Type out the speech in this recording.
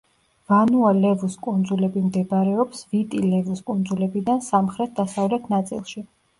ვანუა-ლევუს კუნძულები მდებარეობს ვიტი-ლევუს კუნძულებიდან სამხრეთ-დასავლეთ ნაწილში.